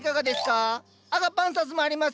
アガパンサスもありますよ。